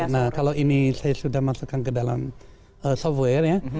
nah kalau ini saya sudah masukkan ke dalam software ya